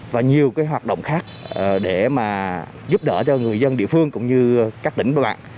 và nhiều cái hoạt động khác để mà giúp đỡ cho người dân địa phương cũng như các tỉnh các bạn